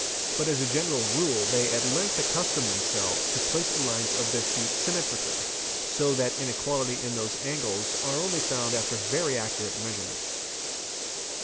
But as a general rule they at length accustom themselves to place the lines of their feet sym metrically, so that inequality in those angles are only found after very accurate measurement.